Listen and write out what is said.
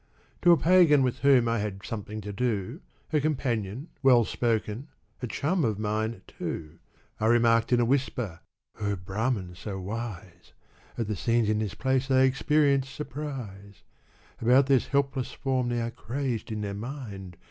To a pagan with whom I had something to do — A companion well spoken, a chum of mine, loo — I remarked in a whisper, O Brahmin, so wise I At the scenes in this place I experience surprise [ About this helpless form they are crazed in their mind.